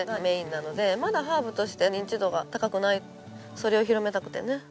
それを広めたくてね。